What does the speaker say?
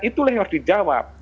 itulah yang harus dijawab